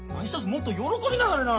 もっと喜びなはれな！